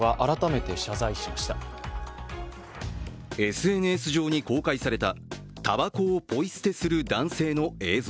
ＳＮＳ上に公開された、たばこをポイ捨てするこの映像。